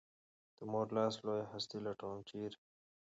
د مور لاس لویه هستي لټوم ، چېرې؟